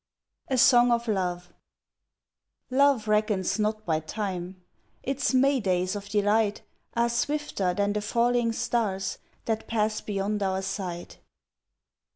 A SONG OF LOVE Love reckons not by time its May days of delight Are swifter than the falling stars that pass beyond our sight.